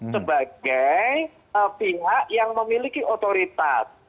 sebagai pihak yang memiliki otoritas